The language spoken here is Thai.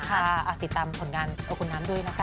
ติดตามผลงานเอาคุณน้ำด้วยนะคะ